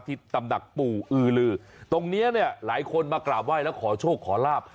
ตำหนักปู่อือลือตรงเนี้ยเนี่ยหลายคนมากราบไหว้แล้วขอโชคขอลาบ